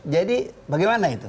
jadi bagaimana itu